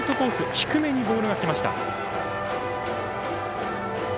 低めにボールがきました。